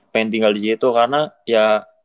pengen tinggal di situ karena ya